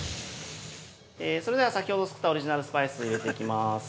◆それでは、先ほど作ったオリジナルスパイスを入れていきます。